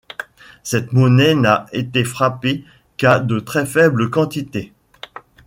Cette monnaie n'a été frappée qu'à de très faibles quantités.